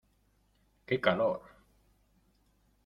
Qué calor.